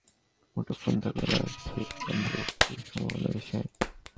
অর্থাৎ, একজন লোকের নিজস্ব মুঠোফোন থাকলে তাঁর আর্থিক অন্তর্ভুক্তির সম্ভাবনা বেশি হয়।